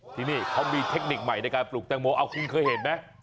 ที่นี่เขามีเทคนิคใหม่ในการปลูกแตงโมเอาคุณเคยเห็นไหม